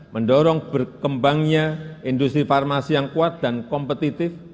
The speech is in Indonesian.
mendorong berkembangnya industri farmasi yang kuat dan kompetitif